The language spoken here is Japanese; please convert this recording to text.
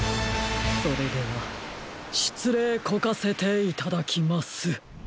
それではしつれいこかせていただきます。